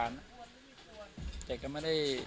วันนี้ก็จะเป็นสวัสดีครับ